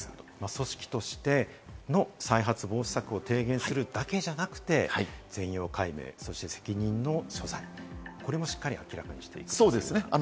組織としての再発防止策を提言するだけじゃなくて、全容解明、そして責任の所在、これもしっかり明らかにしていくということですね。